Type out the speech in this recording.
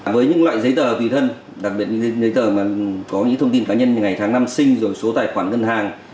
với những loại giấy tờ tùy thân đặc biệt giấy tờ có những thông tin cá nhân như ngày tháng năm sinh số tài khoản ngân hàng